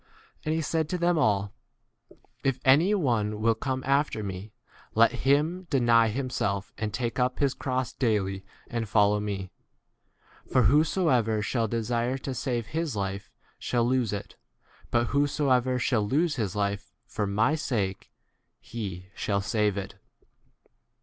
And he said to them all, If any one will come after me, let him deny him self and take up his cross daily 24 and follow me ; for whosoever shall desire to save his life shall lose m it, but whosoever shall lose his life for my sake he shall 25 save it.